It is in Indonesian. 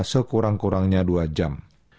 sekurang kurangnya dua jam